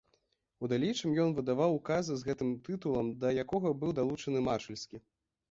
У далейшым ён выдаваў указы з гэтым тытулам, да якога быў далучаны маршальскі.